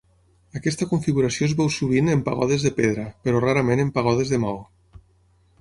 Aquesta configuració es veu sovint en pagodes de pedra, però rarament en pagodes de maó.